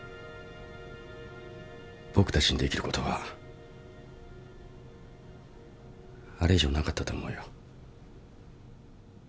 僕たちにできることはあれ以上なかったと思うよ。